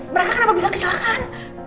mereka kenapa bisa kecelakaan